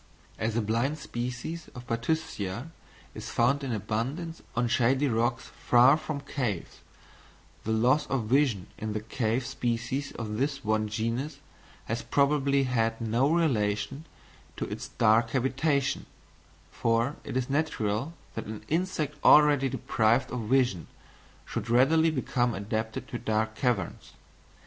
As a blind species of Bathyscia is found in abundance on shady rocks far from caves, the loss of vision in the cave species of this one genus has probably had no relation to its dark habitation; for it is natural that an insect already deprived of vision should readily become adapted to dark caverns.